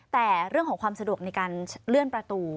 แต่เรื่องของความสะดวกในการเลื่อนประตู